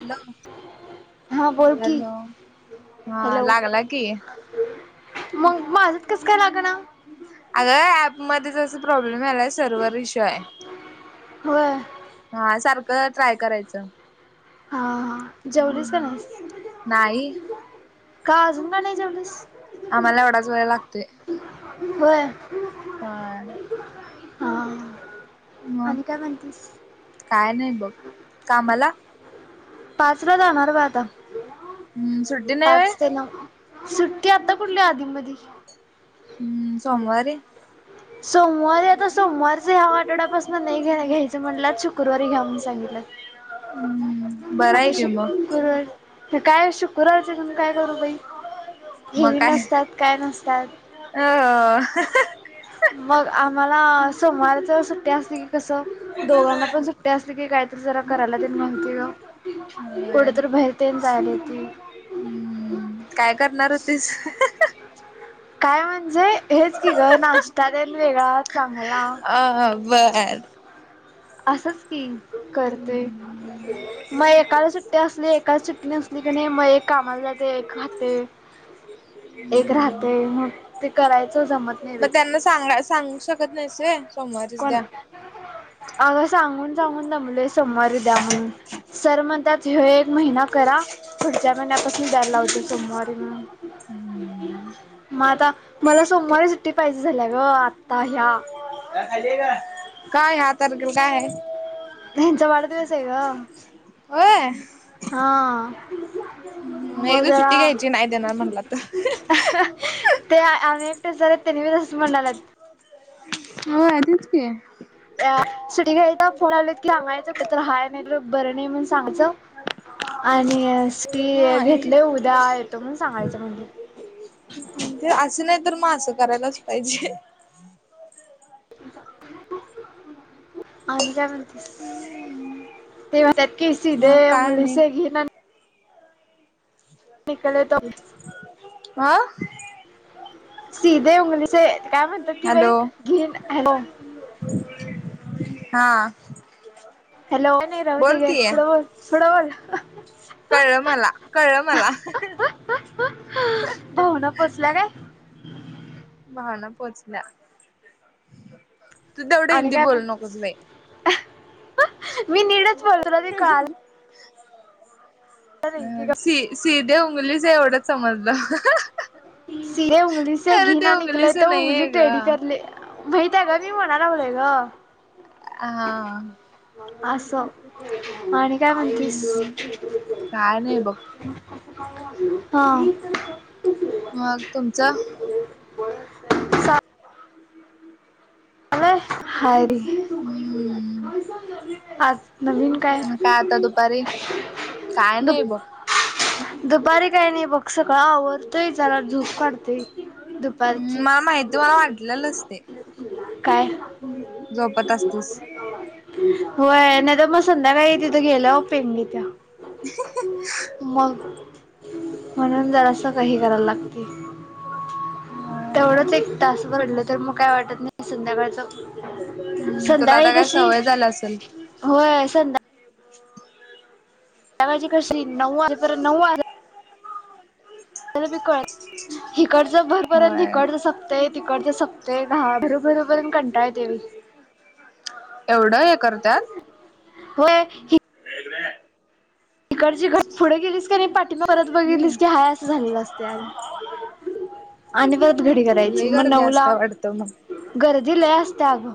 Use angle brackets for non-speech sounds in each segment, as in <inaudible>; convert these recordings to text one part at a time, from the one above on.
Hello हा बोल की हॅलो हा हॅलो लागला की? मग माझ च कसं काय लागणा अगं ऍपमध्येध्येच प्रॉब्लेम झालाय सर्व्ह इशू आहे. होय हा सारखं ट्राय करायचं हा ह जेवलीस का नाही का अजून का नाही जेवलीस? आम्हाला येवढाच वेळ लागतोय. होय होय हा मग आणि काय म्हणतीस काय नाही बघ कामला? पाच ला जाणार बा आता हम्म सुट्टी नाही व्हय पाच ते नऊ. सुट्टी आता कुठली आधी मधी हम्म सोमवारी सोमवारी आता सोमवारच ह्या आठवड्यापासून नाही घ्या घ्यायचं म्हटलंत शुक्रवारी घ्या म्हण सांगितलं हम्म बरं आता आहे श की मग कर काय शुक्रारच्या त् काय करू बाई हेवी नसतात काय नसतात ओ ओ हह मग आम्हाला सोमारच सुट्टी असते की कसं दोघांना पण सुट्ट ठे असते की काहीतरी जरा करायला तेल माहिती ग कुठेतरी बाहेरतेन जायला येते हम्म काय करणार होतीस हह काय म्हणजे हेच की ग नाश्ता देन वेगळा चांगला अ बरं असंच की करते म मग एकाला सुट्टी असली एकाला सुट्टी नसली क नाही मग एक कामाला जाते एक खाते <unintelligible> <inaudible> एक राहते मग ते करायचं जमत नाही मग बाई त्यांना सांगा सांगू शकत नाही स कोण अगं सांगून सांगून द मुले सोमवारी द्या म्हणून सर मण त्यात हे एक महिना करा पुढच्या महिन्यापासून द्यायला ला होतो सोमवारी म्हणून हम्म मग आता मला सोमवारी सुट्टी पाहिजे झाल्या ग आत्ता ह्या काय हा तारखेल काय आहे त्यांचा वाढदिवस आहे का अ हा ह् म मग एकदा सुट्टी जरा घ्यायची नाही देणार म्हणला तर ते अम्ही एकटे झाले त्यांनी मस म्हंणालात हो आजच क सुटी घाय फोन आलेत की हंगायचं कठ तर हय नाही बरं नाही म्हण सांगचं आणि ती हा घेतलीय उद्या येतो मण सांगायचं म्हणली ते असं नाही तर मग असं करायलाच पाहिजे आणि काय म्हणतेस ते म्हणत कीस दे मग काय नाही मुंगलसे घ निकले त आह सिधे उंगलीचे काय म्हणतात की बाई हॅलो घेन हा हॅलो ओ रवती बोल ग की. फुटबॉल फुटबॉल कळमला कळमला भावना पोचल्या काय भाहना पोहोचल्या तू तेवढं आणि हिंदी काय बोलू म्हणतेस नकोस बाई मी निीडच पडतुला ते कळा अ नाही सी सिधे उंगलीच एवढंच समजलं सीधे उगलीचे घी खरं ते ना निकले उंगलीच त नाहीये उंगली ग टेढी करले बहीित का मी म्हणालावलंय ग ह अस आणि काय म्हणतीस हम्म काय नाही बघ हा मग तुमचं ह हरी हम्म आज नवीन काय मग आता दुपारी काय नाही बघ दुपारी काही नाही बघ सगळं आवरतय चला झूप काढतेय हम् मला माहती मला वाटलेलं असते काय असतीस होय नाही तर मग संध्याकाळी तिथं गेलं ओपेन तिथ ह मग म्हणून जरा असं काही कराला लागते हम्म तेवढंच एक तास भरडलं तर मग काय वाटत नाही संध्याकाळच हम् तुला आता काय सवय झाला असेल होय संधा त्याची क नऊ नऊ मी कळ हिकडचं भरपर होय हिकडच य तिकडच सकतेय घा बरोबरबरून कंटाय तेवी एवढं हे करतात हो हे इिकडची घ पुढे गेलीस की नाही पाठिंबा परत हम्म बघितलीस की हय असं झालेलं असतेज आणि परत घडी करायची लई मग गर्दी असत्या नऊला वाटतं मग गर्दी ल असत्या अगं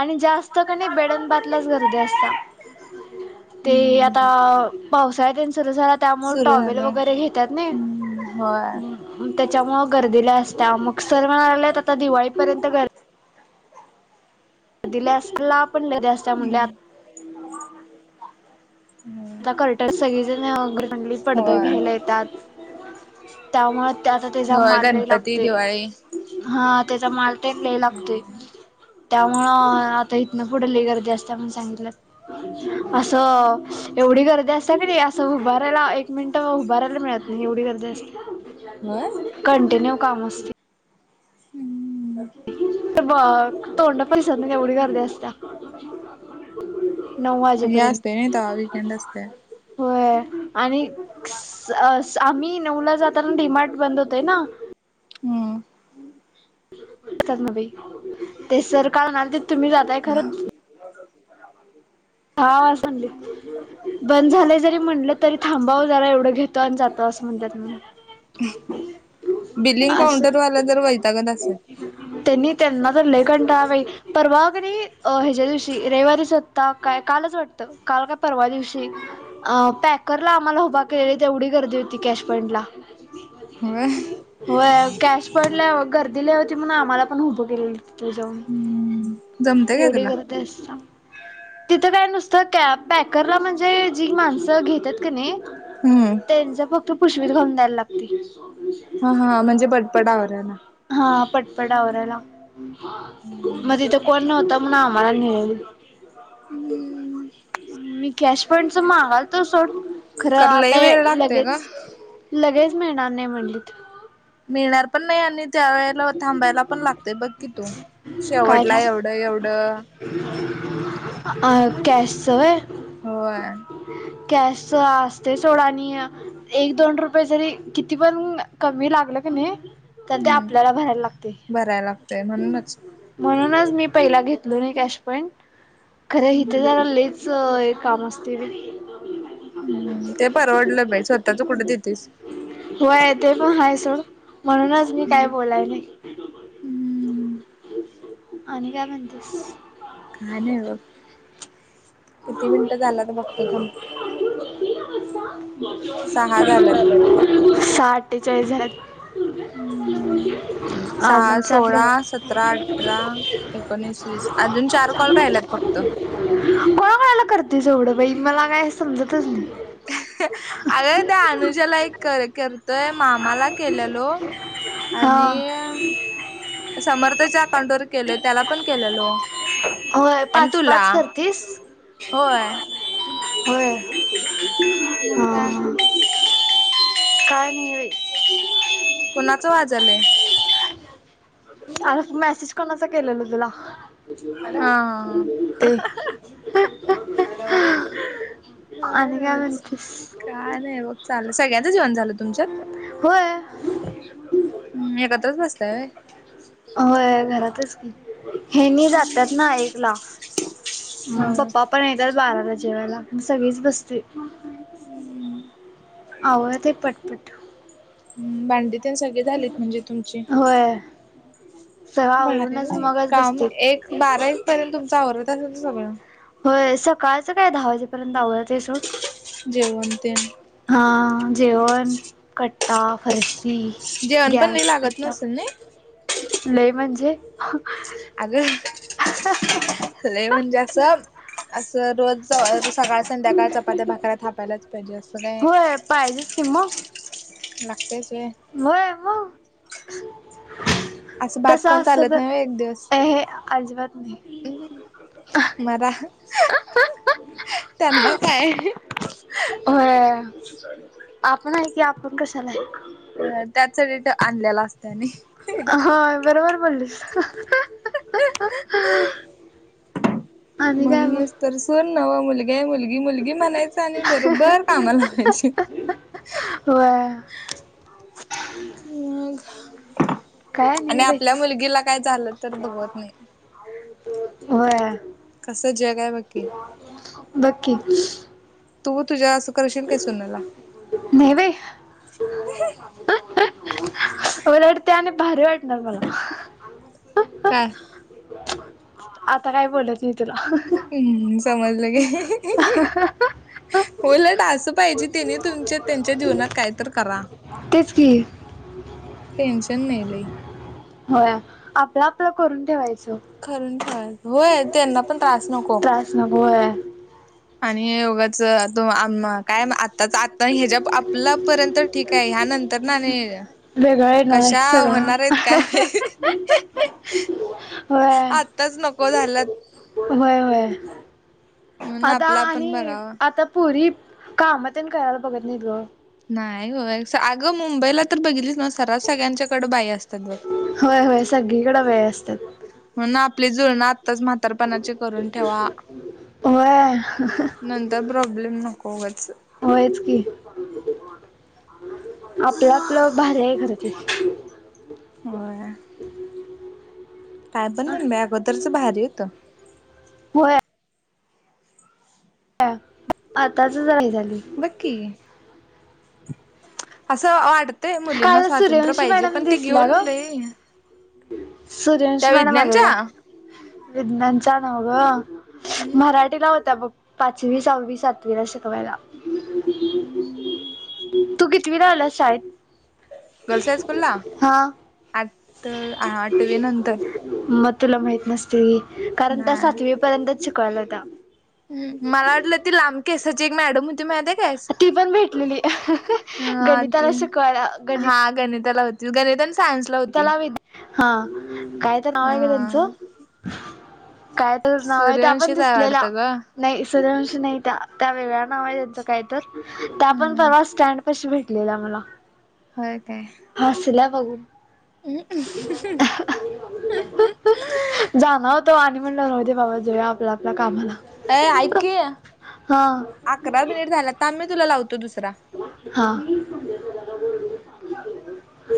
आणि जास्त कने बेडन बातल्याच गर्दी असत्या <inaudible> ते आता पावसाळ्या दिन सुरू झाला त्यामुळे सुरू टॉवेल झालंय वगैरे घेतात ना हम्म होय ग त्याच्यामुळे गर्दीला असत्या मग सर म्हणाले आता दिवाळीपर्यंत गर्दी दि आपण ल अस हम्म आ कट सगळीच नाही वगैरे चांगली पडद होय घ्याला येतात त्यामुळे आता तेचा होय माल गणपती, लागते दिवाळी हा त्याचा माल तेटला लागते त्यामुळं आता इथनं पुढली गर्दी असता म्हण सांगितलं असं एवढी गर्दी असते ना र असं उभारायला एक मिनिट उभारायला मिळत नाही एवढी गर्दी होय. असते कंटिन्यू काम असते हम् तर ब तोंड परिसर ना केवढी करदी असत नऊ हे वाजेपर्यंत असते नाही तवा वीकेंड असते. होय आणि आम्ही नऊला जाताना डीमार्ट बंद होतय ना हम्म ात ना बाई ते सर काणार तर तुम्ही जाताय खरंच <inaudible> हा वासडी बंद झालंय जरी म्हणलं तरी थांबावं जरा एवढं घेतो आणि जातो असं म्हणतात मी बिलिंग असं काउंटरवाला जर वैतागत असेल त्यांनी त्यांना तर लेखंडा परवा क आणि हच्या्या दिवशी रविवारी सत्ताक काय कालच वाटतं काल काय परवा दिवशी अ पॅकरला आम्हाला उभा केलेली तेवढी गर्दी होती कॅश पॉइंट ला व हो कॅश पड गर्दीलावती म्हणून आम्हाला पण उभं केले तू जाऊन जमते काय एवढी तुला? करत असत तिथं काय नुसतं पॅकरला म्हणजे जी माणसं घेतात का नाही हम्म. त्यांचा फक्त पुष्वीित घम दायला लागते हा हा म्हणजे पटपडावर आहे ना हा पटपटवरला मग तिथं कोण नव्हत म्हून आम्हाला नल हम्म मी कॅश पंडच मगाल तर सोड खरं लई आता वेळ लागतोय ग. लगेच लगेच मिळणार नाही म्हणलीत मिळणार पण नाही आणि त्यावेेळेला थांबायला पण लागतेय बघ की तू काय शेवटला एवढं एवढं कॅश आहे होय कॅशत सोड नया एक दोन रुपये जरी किती पण कमी लागल क नाही तर ते हम्म. आपल्याला भरायला लागते भरायला लागतय म्हणूनच. म्हणूनच मी पहिला घेतलो नाही कॅश पइंट खरं इथे जरा हम्म ललेच काम असतील हम् ते परवडलं बा स्वतःच कुठं देतेस हो य ते पण हा सोड म्हणूनच मी काय बोलाय नाही हम्म आणि काय म्हणतेस काय नाही बघ किती मिनिटं झाला तर बघतो का सहा झाल्यात. साठठेचाळीस हजार <inaudible> हम्म. <unintelligible> सहा अजून चार सोळा मिनिट सतरा अठरा एकोणीस वीस अजून चार कॉल राहिल्यात फक्त को कळाला करते ज एवढं बाई मला काय समजतच नाही अरे त्या अनुजाला एक कर करतोय मामाला केलेलो हा आणि समर्थच्या अकाउंट वर केलय त्याला पण केलेलो होय आणि पाच तुला पाच करतीस होय हो ह मग काय कानी कोणाच वाज आलय अर मेसेज कोणा अस केलेल तुला हॅ हा हा हा ते काय अन का म्हण नव्हच काय नाही बघ चाल सगळ्यांचं जेवण झालं तुमच्यात होय हम्म एकत्रच बसतय होय घरातच की हे न जातात ना एक ला हा पप्पा पण येतात बाराला जेवायला म सगळीच बसते हम् होह ते पटपट भांडी ते सगळे झालेत म्हणजे तुमची हो बर मगच काम बसते एक बारावीस पर्यंत तुमचा आवरत असेल ना सगळं होय सकाळचं काय दहा वाजेपर्यंत अवला ते सड जेवण तेन हां जेव खट्टा फर्शी जेवण पण लई गॅस लागत कट्टा नसेल नई? लय म्हणजे अग हे म्हणजे असं असं रोज सकाळ संध्याकाळ चपात्या भाकऱ्या थापायलाच पाहिजे असं काय होय पाहिजेच कि लागतेचे म मग असं भात तस खाऊन असत चालत नाही व्हय तर हे अजिबात नाही मरा त्यांना काय? होय आपण आहे की आपण कशाला आहे <unintelligible> त्याचसाठी तर आणलेला असतं नाय. हा बरोबर बोललीस आणि काय म्हणच मग तर सर नवा मुलीिक मुलगी मुलगी म्हणायच आणि बरोबर काम लावायची व मग काय आणि नाही बाई आपल्या मुलगीला काय झालं तर बघवत नाही. होय. कसं जग आहे बघ की. बघ की. तू तुझ्या असं करशील काय सुनंला? नाय बाई. उलट ते आणि भारी वाटणार मला. काय आता काय बोलत नाय तुला. हम्म समजलं की. उलट असं पाहिजे तीने, तुमच्या त्यांच्या जीवनात काय तर करा. तेच की. टेन्शन नाही लय. होय, आपलं आपलं करून ठेवायचं. करून ठेवायचं होय, त्यांना पण त्रास नको. त्रास होय. आणि उगच तो आम काय आताच आता ह्याच्या आपल्यापर्यंत ठीक आहे ह्या नंतर ना नाही वेगळं येणार आहे कशा सगळं होणार आहेत काय माहि होय आत्ताच नको झाल्यात. होय होय. म्हणून आता आपला आपण आणि बघावा. आता पुरी कामं तेन करायला बघत नाहीत ग. नाही हो. अगं मुंबईला तर बघलीच ना सऱ्हास सगळ्यांच्याकडे बाई असतात बघ. होय होय सगळीकडे वेळ असतात म्हणून आपली जुळणा आत्ताच म्हातारपनाची करून ठेवा. होय नंतर प्रॉब्लेम नको उगच. होयच की, आपलं आपलं भारी आहे खरं ते. होय. काय पण म्हण बाई अगोदरचं भारी होतं. होय आताच <unintelligible> झाली. बघ की, असं वाट ते मुलींना काल स्वातंत्र्य सूर्यवंशी पाहिजे, मॅडम पण ती दिसल्या घेऊन ग लई सूर्यवंशी त्या मॅडम आलेल्या, विज्ञानच्या विज्ञानच्या नव्ह ग. मराठीला होत्या बघ पाचवी, सहावी, सातवी ला शिकवायला. <unintelligible> तू कितवीला आल्यास शाळेत? गर्ल्स हायस्कूलला? हा आठ हा आठवी नंतर. मग तुला माहित नसतील, कारण त्या नाय सातवी पर्यंतच शिकवायला होत्या. ह मला वाटलं ती लांब केसाची एक मॅडम होती माहितीय काय ती पण भेटलेली, हा ते गणिताला शिकवायला गणित हा गणिताला होती, गणि ताला, हा कायतर नाव आहे ग त्यांचं. हा काय तर नाव आहे, त्या पण सूर्यवंशीच आहे दिसलेल्या. वाटतं ग नाही सूर्यवंशी नाही त्या, त्या वेगळ्या नाव आहे त्यांचं काय तर, त्या पण हम्म परवा स्टँड पशी भेटलेल्या मला. होय काय? हसल्या बघू जाण होतो आणि म्हणलं न होते बाबा जेव आपल्या आपल्या कामाला अ ऐके हा अकरा मिनिट झाला त मी तुला लावतो दुसरा हला